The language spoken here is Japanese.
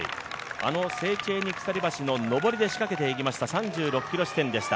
セーチェーニ鎖橋の上り仕掛けていきました３６ｋｍ地点でした。